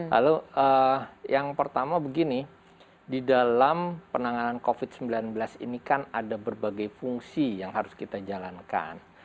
lalu yang pertama begini di dalam penanganan covid sembilan belas ini kan ada berbagai fungsi yang harus kita jalankan